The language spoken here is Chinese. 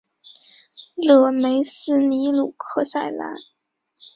勒梅斯尼鲁克塞兰。